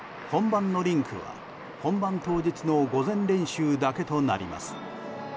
本番のリンクは本番当日の午前練習だけとなります。